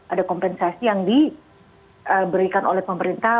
ada kompensasi yang diberikan oleh pemerintah